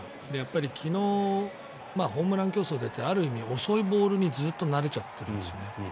昨日ホームラン競争に出てある意味、遅いボールにずっと慣れちゃってるんです。